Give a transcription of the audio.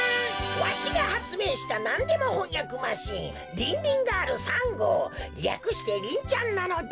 わしがはつめいしたなんでもほんやくマシーンリンリンガール３ごうりゃくしてリンちゃんなのだ！